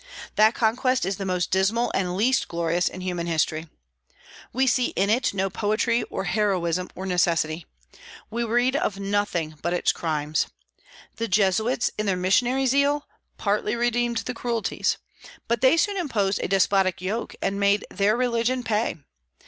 That conquest is the most dismal and least glorious in human history. We see in it no poetry, or heroism, or necessity; we read of nothing but its crimes. The Jesuits, in their missionary zeal, partly redeemed the cruelties; but they soon imposed a despotic yoke, and made their religion pay.